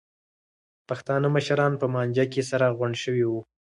پښتانه مشران په مانجه کې سره غونډ شوي وو.